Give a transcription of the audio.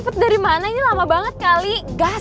pemeriksaan sumber kereta